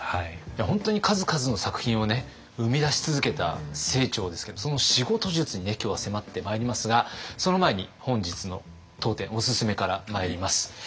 本当に数々の作品をね生み出し続けた清張ですけどその仕事術に今日は迫ってまいりますがその前に本日の当店オススメからまいります。